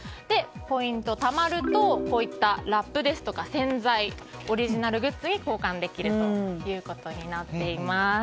ポイントがたまるとラップや洗剤オリジナルグッズに交換できるということになっています。